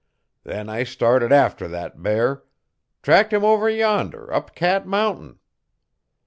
Then I started after thet bear. Tracked 'im over yender, up Cat Mountin'.'